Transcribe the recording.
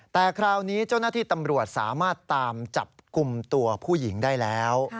แต่คราวนี้เจ้าหน้าที่ตำรวจสามารถตามจับกลุ่มตัวผู้หญิงได้แล้ว